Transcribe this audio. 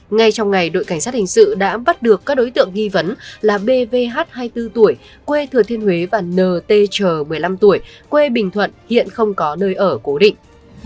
ngay trong ngày đội cảnh sát hình sự đã bắt được các đối tượng nghi vấn là bvh hai mươi bốn tuổi quê thừa thiên huế và nt một mươi năm tuổi quê bình thuận hiện không có nơi ở cố định